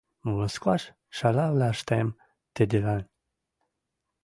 Москваш шӓлӓвлӓштӹм тӹдӹлӓн